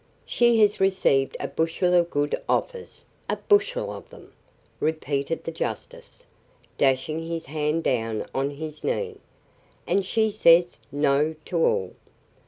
She has received a bushel of good offers a bushel of them," repeated the justice, dashing his hand down on his knee, "and she says 'No!' to all.